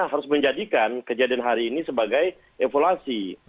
kita harus menjadikan kejadian hari ini sebagai evolusi